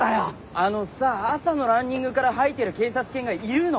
あのさ朝のランニングから吐いてる警察犬がいるの？